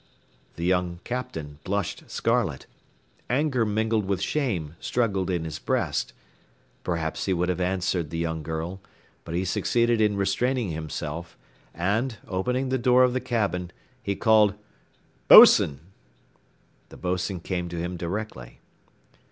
The young Captain blushed scarlet; anger mingled with shame struggled in his breast; perhaps he would have answered the young girl, but he succeeded in restraining himself, and, opening the door of the cabin, he called "Boatswain!" The boatswain came to him directly.